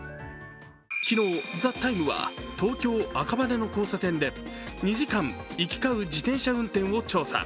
昨日「ＴＨＥＴＩＭＥ，」は東京・赤羽の交差点で、２時間行き交う自転車運転を調査。